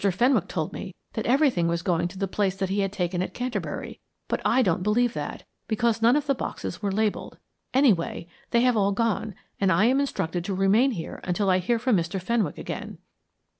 Fenwick told me that everything was going to the place that he had taken at Canterbury, but I don't believe that, because none of the boxes were labelled. Anyway, they have all gone, and I am instructed to remain here until I hear from Mr. Fenwick again."